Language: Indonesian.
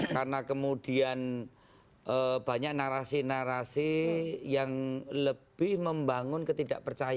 karena kemudian banyak narasi narasi yang lebih membangun ketidakpercayaan